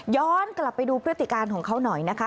กลับไปดูพฤติการของเขาหน่อยนะคะ